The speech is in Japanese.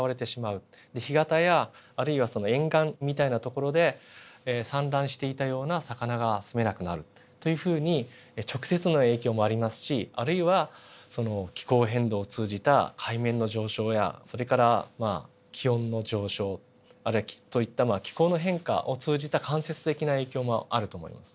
干潟やあるいは沿岸みたいな所で産卵していたような魚がすめなくなるというふうに直接の影響もありますしあるいは気候変動を通じた海面の上昇やそれからまあ気温の上昇といった気候の変化を通じた間接的な影響もあると思います。